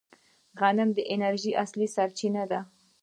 غنم د انرژۍ اصلي سرچینه ده.